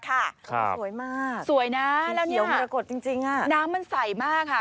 ครับสวยมากสีเขียวมันปรากฏจริงน้ำมันใส่มากค่ะ